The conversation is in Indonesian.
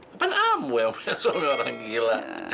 apaan amu yang punya suami orang gila